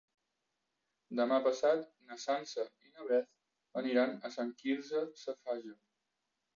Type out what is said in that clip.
Demà passat na Sança i na Beth aniran a Sant Quirze Safaja.